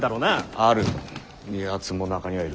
あるやつも中にはいる。